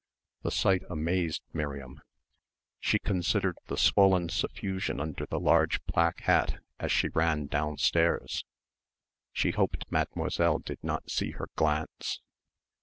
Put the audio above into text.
The sight amazed Miriam. She considered the swollen suffusion under the large black hat as she ran downstairs. She hoped Mademoiselle did not see her glance....